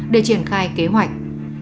để triển khai kế hoạch